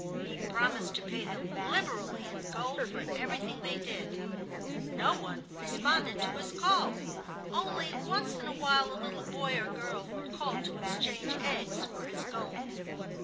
He promised to pay them liberally in gold for everything they did. No one responded to his call—only once in awhile a little boy or girl would call to exchange eggs for his gold.